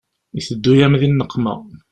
Iteddu-yam di nneqma.